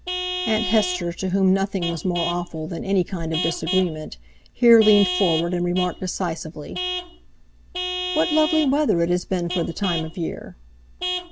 Aunt Hester, to whom nothing was more awful than any kind of disagreement, here leaned forward and remarked decisively: "What lovely weather it has been for the time of year?"